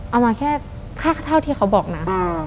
เอามาแค่เท่าที่เขาบอกนะ